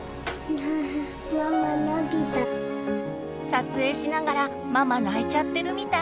撮影しながらママ泣いちゃってるみたい。